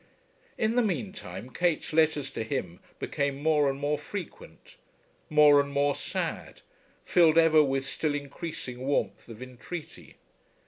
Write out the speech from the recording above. In the meantime Kate's letters to him became more and more frequent, more and more sad, filled ever with still increasing warmth of entreaty.